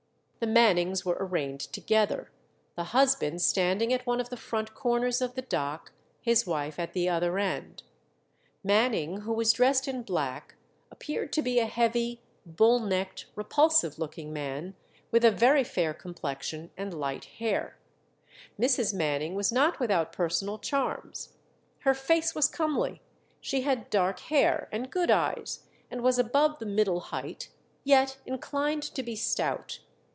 The Mannings were arraigned together; the husband standing at one of the front corners of the dock, his wife at the other end. Manning, who was dressed in black, appeared to be a heavy, bull necked, repulsive looking man, with a very fair complexion and light hair. Mrs. Manning was not without personal charms; her face was comely, she had dark hair and good eyes, and was above the middle height, yet inclined to be stout.